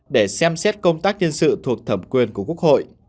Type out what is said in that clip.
để xem xét công tác nhân sự thuộc thẩm quyền của quốc hội